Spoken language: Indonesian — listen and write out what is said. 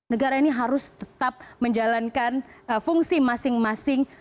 negara ini harus tetap menjalankan fungsi masing masing